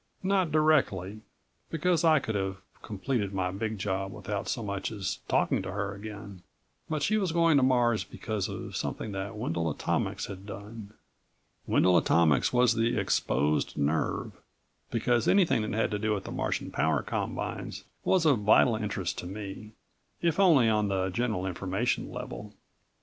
Not directly, because I could have completed my big job without so much as talking to her again. But she was going to Mars because of something that Wendel Atomics had done. Wendel Atomics was the exposed nerve, because anything that had to do with the Martian power combines was of vital interest to me, if only on the general information level.